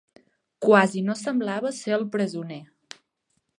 Quasi no semblava ser el presoner.